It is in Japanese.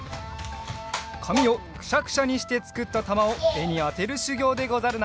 かみをくしゃくしゃにしてつくったたまをえにあてるしゅぎょうでござるな。